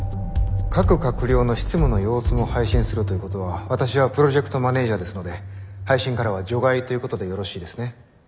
各閣僚の執務の様子も配信するということは私はプロジェクトマネージャーですので配信からは除外ということでよろしいですね。